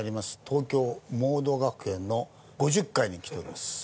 東京モード学園の５０階に来ております。